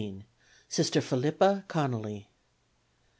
Sister Phillippa Connelly.